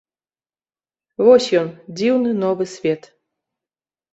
Вось ён, дзіўны новы свет!